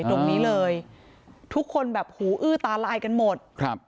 ตรงนี้เลยทุกคนแบบหูอื้อตาลายกันหมดครับ